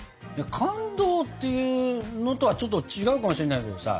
感動っていうのとはちょっと違うかもしれないけどさ。